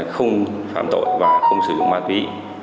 không phạm tội và không sử dụng ma túy